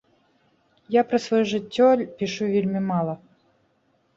Я пра сваё жыццё пішу вельмі мала.